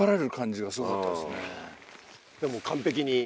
でも完璧に。